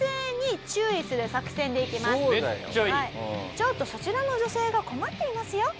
「ちょっとそちらの女性が困っていますよ」